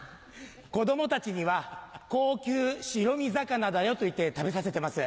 子供たちには「高級白身魚だよ」と言って食べさせてます。